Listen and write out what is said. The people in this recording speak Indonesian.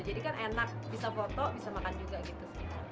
jadi kan enak bisa foto bisa makan juga gitu